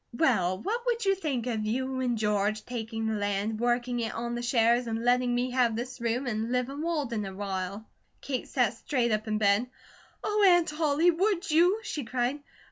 "Well, what would you think of you and George taking the land, working it on the shares, and letting me have this room, an' live in Walden, awhile?" Kate sat straight up in bed: "Oh, Aunt Ollie! Would you?" she cried.